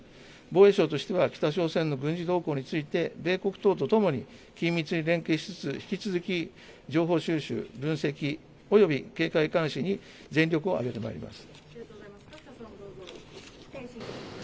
防衛省としては北朝鮮の軍事動向について米国等と共に、緊密に連携しつつ、引き続き情報収集、分析および警戒監視に全力をあげてまいります。